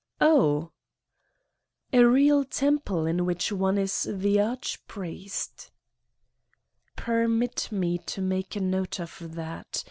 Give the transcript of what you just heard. " "Oh!" "A real temple, in which one is the arch priest I" " Permit me to make a note of that.